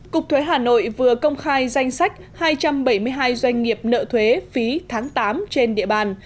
cục thuế hà nội vừa công khai danh sách hai trăm bảy mươi hai doanh nghiệp nợ thuế phí tháng tám trên địa bàn